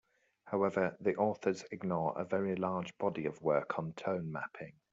However, the authors ignore a very large body of work on tone mapping.